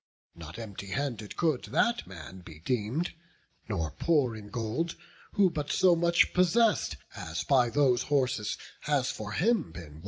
Not empty handed could that man be deem'd, Nor poor in gold, who but so much possess'd As by those horses has for him been won.